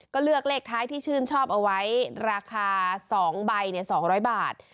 ก็เลือกเลขท้ายที่ชื่นชอบเอาไว้ราคา๒ใบ๒๐๐บาท